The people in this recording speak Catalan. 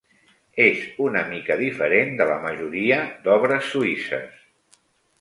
És una mica diferent de la majoria d'obres suïsses.